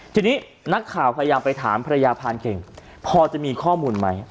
ทีนี้นักข่าวพยายามไปถามภรรยาพรานเก่งพอจะมีข้อมูลไหม